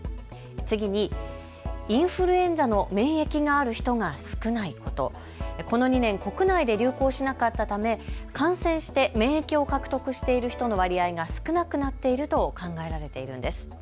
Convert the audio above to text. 次にインフルエンザの免疫がある人が少ないこと、この２年、国内で流行しなかったため、感染して免疫を獲得している人の割合が少なくなっていると考えられているんです。